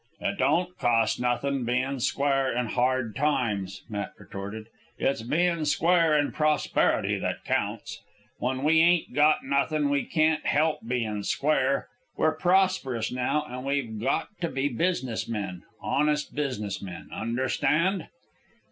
"It don't cost nothin', bein' square in hard times," Matt retorted. "It's bein' square in prosperity that counts. When we ain't got nothin', we can't help bein' square. We're prosperous now, an' we've got to be business men honest business men. Understand?"